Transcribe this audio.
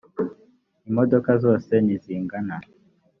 imodoka zose ntizingana.